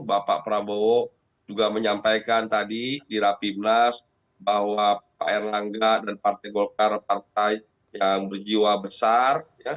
bapak prabowo juga menyampaikan tadi di rapimnas bahwa pak erlangga dan partai golkar partai yang berjiwa besar